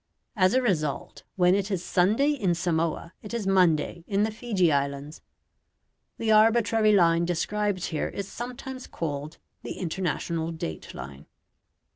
As a result, when it is Sunday in Samoa it is Monday in the Fiji Islands. The arbitrary line described here is sometimes called the International Date Line.